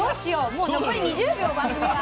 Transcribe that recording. もう残り２０秒番組が。